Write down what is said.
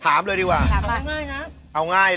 ถามเลยดีกว่าเอาง่ายนะ